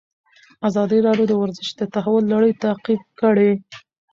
ازادي راډیو د ورزش د تحول لړۍ تعقیب کړې.